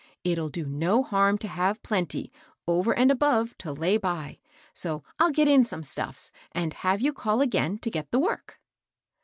" It'll do no harm to have plenty, over and above, to lay by ; so I'll get in some stuffii, and have you call again to get the work."